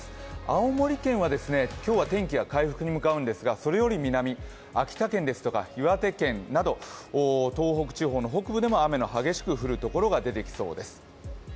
青森県は、今日は天気は回復に向かうんですがそれより南、秋田県ですとか岩手県など、東北地方の北部でも雨の激しく降るところが出てきそうです。